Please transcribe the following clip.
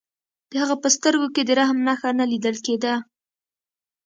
د هغه په سترګو کې د رحم نښه نه لیدل کېده